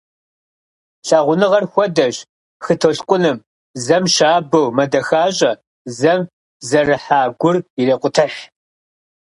Лъагъуныгъэр хуэдэщ хы толъкъуным, зэм щабэу мэдэхащӏэ, зэм зэрыхьа гур ирекъутыхь.